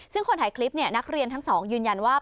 ซึ่งคนถ่ายคลิปนักเรียนทั้งสองยืนยันว่า